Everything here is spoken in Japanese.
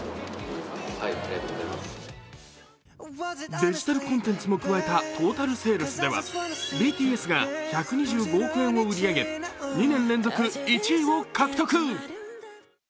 デジタルコンテンツも加えたトータルセールスではＢＴＳが１２５億円を売り上げ、２年連続１位を獲得。